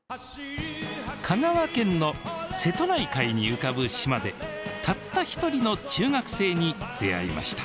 香川県の瀬戸内海に浮かぶ島でたった一人の中学生に出会いました